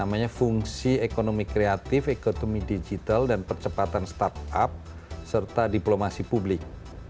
namanya fungsi ekonomi kreatif ekonomi digital dan percepatan startup serta diplomasi publik